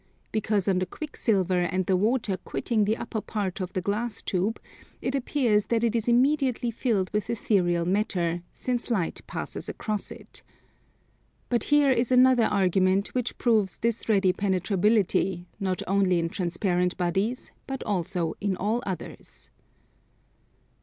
Because on the quicksilver and the water quitting the upper part of the glass tube, it appears that it is immediately filled with ethereal matter, since light passes across it. But here is another argument which proves this ready penetrability, not only in transparent bodies but also in all others.